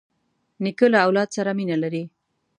نیکه له اولاد سره مینه لري.